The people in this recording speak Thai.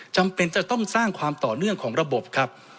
จำเป็นจะต้องสร้างความต่อเนื่องของระบบครับ